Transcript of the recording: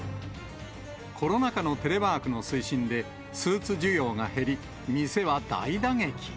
コロナ禍のテレワークの推進で、スーツ需要が減り、店は大打撃。